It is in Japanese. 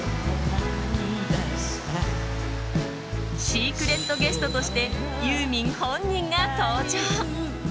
シークレットゲストとしてユーミン本人が登場。